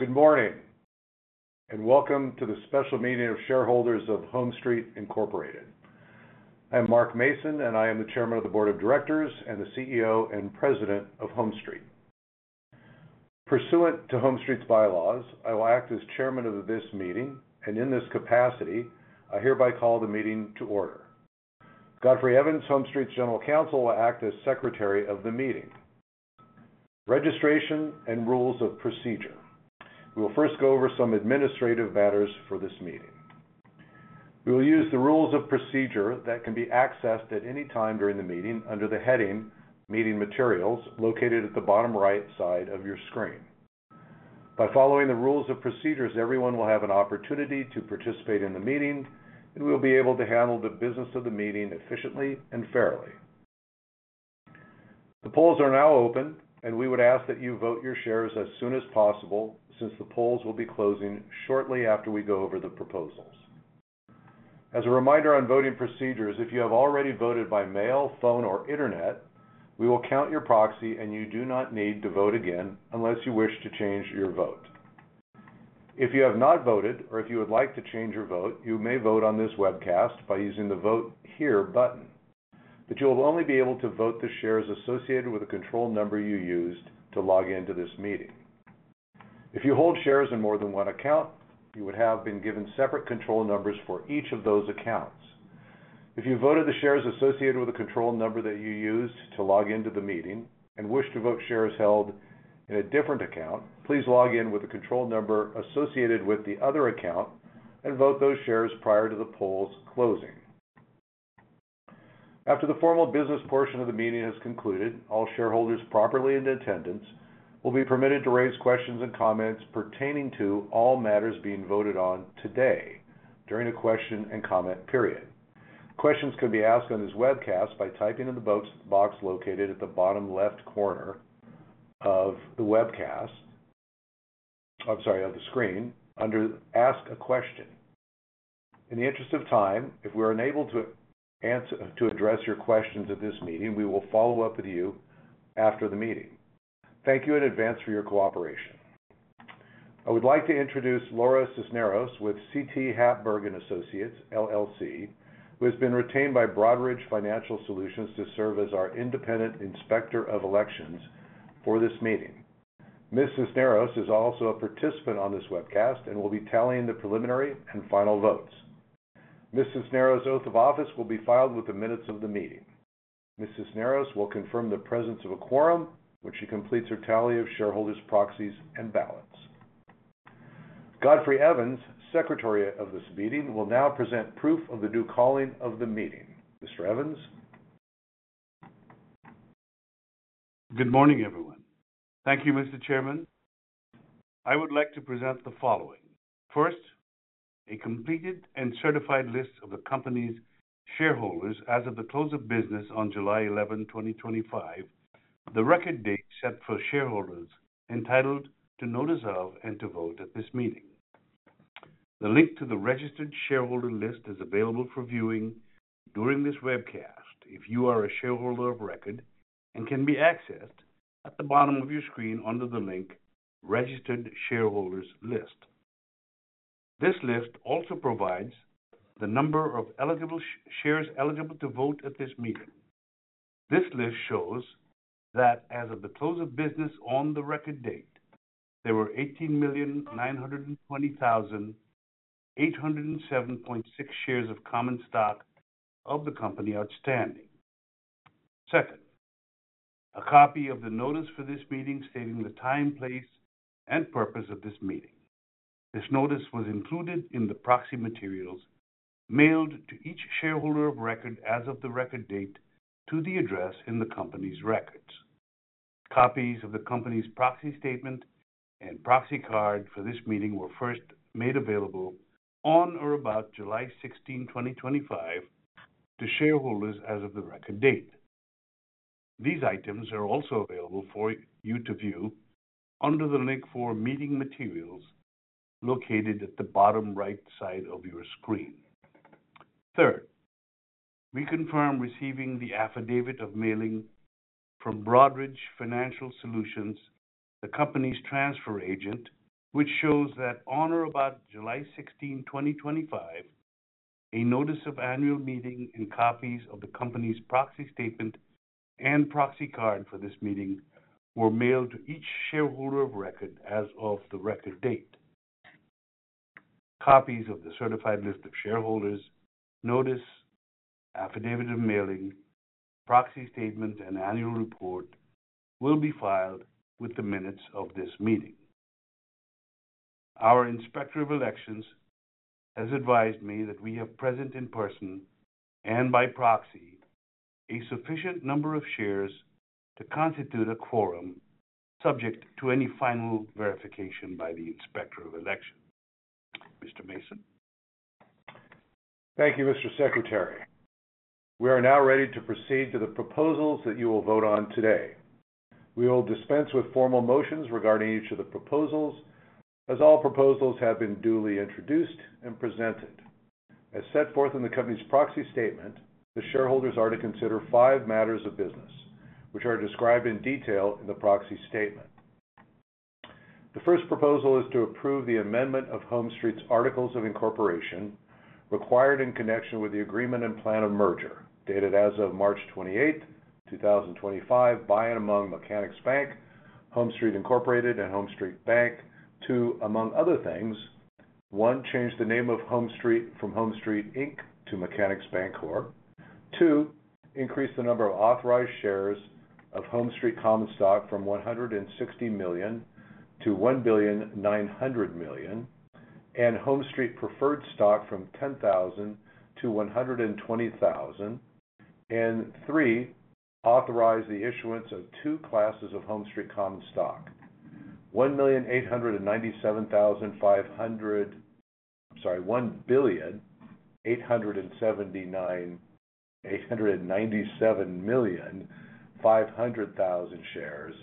Good morning and welcome to The Special Meeting of Shareholders of HomeStreet, Inc. I am Mark Mason, and I am the Chairman of the Board of Directors and the CEO and President of HomeStreet, Inc. Pursuant to HomeStreet, Inc.'s bylaws, I will act as Chairman of this meeting, and in this capacity, I hereby call the meeting to order. Godfrey Evans, HomeStreet's General Counsel, will act as Secretary of the Meeting. Registration and Rules of Procedure. We will first go over some administrative matters for this meeting. We will use the rules of procedure that can be accessed at any time during the meeting under the heading "Meeting Materials," located at the bottom right side of your screen. By following the rules of procedure, everyone will have an opportunity to participate in the meeting, and we will be able to handle the business of the meeting efficiently and fairly. The polls are now open, and we would ask that you vote your shares as soon as possible, since the polls will be closing shortly after we go over the proposals. As a reminder on voting procedures, if you have already voted by mail, phone, or internet, we will count your proxy, and you do not need to vote again unless you wish to change your vote. If you have not voted or if you would like to change your vote, you may vote on this webcast by using the "Vote Here" button, but you will only be able to vote the shares associated with the control number you used to log into this meeting. If you hold shares in more than one account, you would have been given separate control numbers for each of those accounts. If you voted the shares associated with the control number that you used to log into the meeting and wish to vote shares held in a different account, please log in with the control number associated with the other account and vote those shares prior to the polls closing. After the formal business portion of the meeting has concluded, all shareholders properly in attendance will be permitted to raise questions and comments pertaining to all matters being voted on today during the question and comment period. Questions can be asked on this webcast by typing in the box located at the bottom left corner of the screen under "Ask a Question." In the interest of time, if we are unable to address your questions at this meeting, we will follow up with you after the meeting. Thank you in advance for your cooperation. I would like to introduce Laura Cisneros with C.T. C.T. Hapberg & Associates, LLC, who has been retained by Broadridge Financial Solutions to serve as our Independent Inspector of Elections for this meeting. Ms. Cisneros is also a participant on this webcast and will be tallying the preliminary and final votes. Ms. Cisneros' Oath of Office will be filed with the minutes of the meeting. Ms. Cisneros will confirm the presence of a quorum when she completes her tally of shareholders' proxies and ballots. Godfrey Evans, Secretary of this meeting, will now present proof of the due calling of the meeting. Mr. Evans? Good morning, everyone. Thank you, Mr. Chairman. I would like to present the following. First, a completed and certified list of the company's shareholders as of the close of business on July 11, 2025, the record date set for shareholders entitled to notice of and to vote at this meeting. The link to the registered shareholder list is available for viewing during this webcast if you are a shareholder of record and can be accessed at the bottom of your screen under the link "Registered Shareholders List." This list also provides the number of shares eligible to vote at this meeting. This list shows that as of the close of business on the record date, there were 18,920,807.60 shares of common stock of the company outstanding. Second, a copy of the notice for this meeting stating the time, place, and purpose of this meeting. This notice was included in the proxy materials mailed to each shareholder of record as of the record date to the address in the company's records. Copies of the company's proxy statement and proxy card for this meeting were first made available on or about July 16, 2025, to shareholders as of the record date. These items are also available for you to view under the link for "Meeting Materials" located at the bottom right side of your screen. Third, we confirm receiving the affidavit of mailing from Broadridge Financial Solutions, the company's transfer agent, which shows that on or about July 16, 2025, a notice of annual meeting and copies of the company's proxy statement and proxy card for this meeting were mailed to each shareholder of record as of the record date. Copies of the certified list of shareholders, notice, affidavit of mailing, proxy statement, and annual report will be filed with the minutes of this meeting. Our Inspector of Elections has advised me that we have present in person and by proxy a sufficient number of shares to constitute a quorum subject to any final verification by the Inspector of Elections. Mr. Mason? Thank you, Mr. Secretary. We are now ready to proceed to the proposals that you will vote on today. We will dispense with formal motions regarding each of the proposals, as all proposals have been duly introduced and presented. As set forth in the company's proxy statement, the shareholders are to consider five matters of business, which are described in detail in the proxy statement. to $1.9 billion and HomeStreet preferred stock from 10,000 to 120,000, and three, authorize the issuance of two classes of HomeStreet Common Stock: 1,897,500,000 shares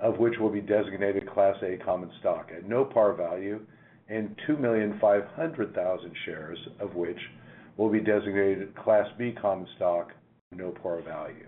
of which will be designated Class A common stock at no par value and 2,500,000 shares of which will be designated Class B common stock at no par value.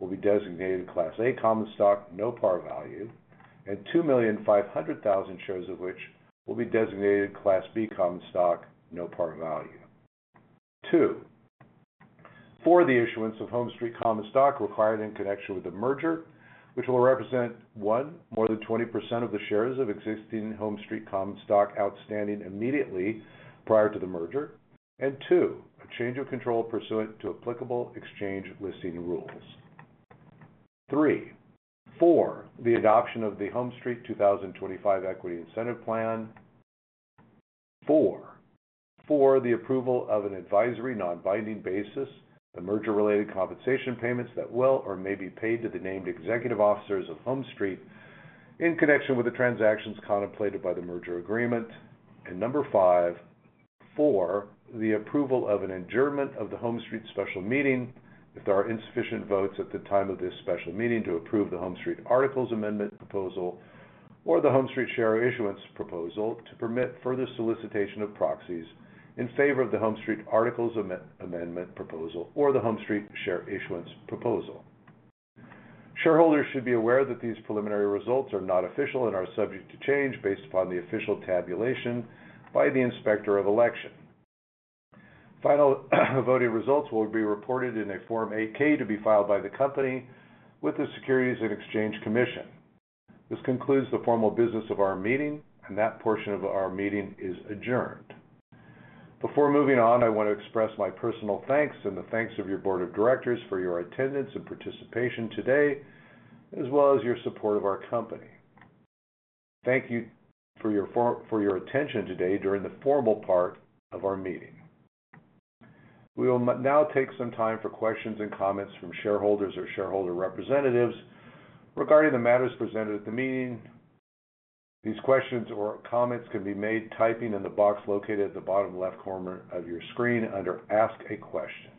Two, for the issuance of HomeStreet Common Stock required in connection with the merger, which will represent, one, more than 20% of the shares of existing HomeStreet Common Stock outstanding immediately prior to the merger, and two, a change of control pursuant to applicable exchange listing rules. Three, for the adoption of the HomeStreet 2025 Equity Incentive Plan. Four, for the approval of, on an advisory, non-binding basis, the merger-related compensation payments that will or may be paid to the named executive officers of HomeStreet in connection with the transactions contemplated by the merger agreement. Number five, for the approval of an adjournment of the HomeStreet special meeting if there are insufficient votes at the time of this special meeting to approve the HomeStreet Articles Amendment proposal or the HomeStreet Share Issuance proposal to permit further solicitation of proxies in favor of the HomeStreet Articles Amendment proposal or the HomeStreet Share Issuance proposal. Shareholders should be aware that these preliminary results are not official and are subject to change based upon the official tabulation by the Inspector of Elections. Final voting results will be reported in a Form 8-K to be filed by the company with the Securities and Exchange Commission. This concludes the formal business of our meeting, and that portion of our meeting is adjourned. Before moving on, I want to express my personal thanks and the thanks of your Board of Directors for your attendance and participation today, as well as your support of our company. Thank you for your attention today during the formal part of our meeting. We will now take some time for questions and comments from shareholders or shareholder representatives regarding the matters presented at the meeting. These questions or comments can be made by typing in the box located at the bottom left corner of your screen under "Ask a Question."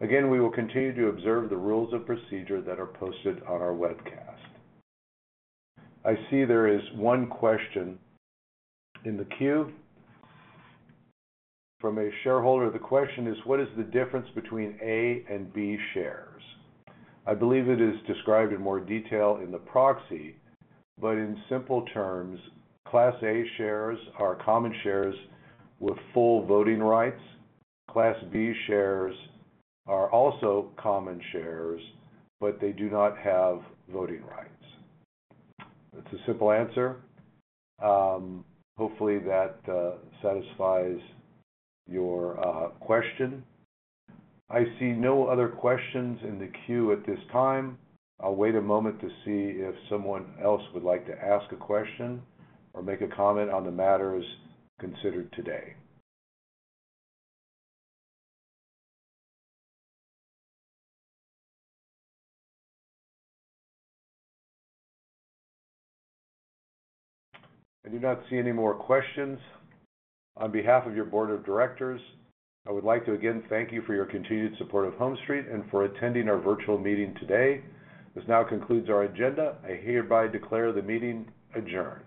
Again, we will continue to observe the rules of procedure that are posted on our webcast. I see there is one question in the queue from a shareholder. The question is, "What is the difference between A and B shares?" I believe it is described in more detail in the proxy, but in simple terms, Class A shares are common shares with full voting rights. Class B shares are also common shares, but they do not have voting rights. That's a simple answer. Hopefully, that satisfies your question. I see no other questions in the queue at this time. I'll wait a moment to see if someone else would like to ask a question or make a comment on the matters considered today. I do not see any more questions. On behalf of your Board of Directors, I would like to again thank you for your continued support of HomeStreet and for attending our virtual meeting today. This now concludes our agenda. I hereby declare the meeting adjourned.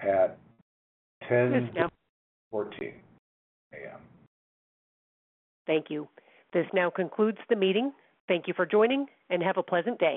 At 10:14 A.M. Thank you. This now concludes the meeting. Thank you for joining and have a pleasant day.